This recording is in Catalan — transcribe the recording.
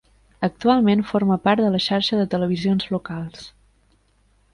Actualment forma part de la Xarxa de Televisions Locals.